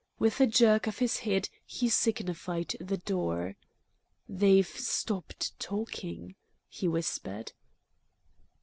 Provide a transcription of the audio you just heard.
With a jerk of his head he signified the door. "They've stopped talking," he whispered.